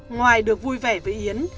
ngoài được vui vẻ với yến